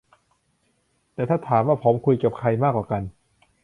แต่ถ้าถามว่าผมคุยกับใครมากกว่ากัน